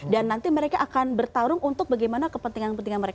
dan nanti mereka akan bertarung